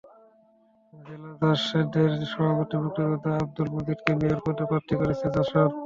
জেলা জাসদের সভাপতি মুক্তিযোদ্ধা আবদুল মজিদকে মেয়র পদে প্রার্থী করেছে জাসদ।